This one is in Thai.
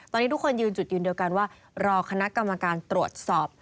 ตอนนี้ทุกคนยืนจุดยืนเดียวกันว่ารอคณะกรรมการตรวจสอบ